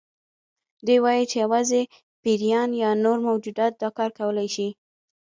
دوی وایي چې یوازې پیریان یا نور موجودات دا کار کولی شي.